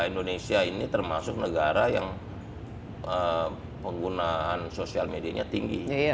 indonesia ini termasuk negara yang penggunaan sosial medianya tinggi